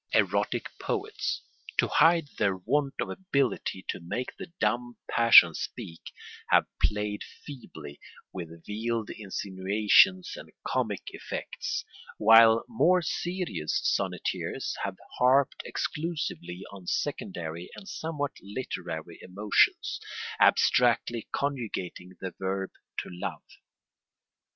Erotic poets, to hide their want of ability to make the dumb passion speak, have played feebly with veiled insinuations and comic effects; while more serious sonneteers have harped exclusively on secondary and somewhat literary emotions, abstractly conjugating the verb to love.